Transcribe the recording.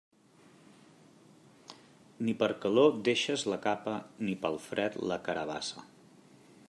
Ni per calor deixes la capa, ni pel fred la carabassa.